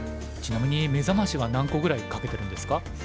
ちなみに目覚ましは何個ぐらいかけてるんですか？